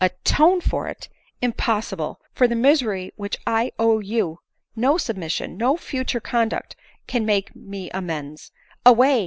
" Atone for it ! impossible ; for the misery which I owe to you, no submission, no future conduct can make me amends. Away!